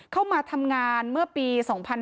เข้ามาทำงานเมื่อปี๒๕๕๙